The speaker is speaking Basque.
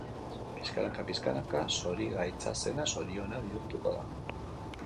Pixkanaka-pixkanaka zorigaitza zena zoriona bihurtuko da.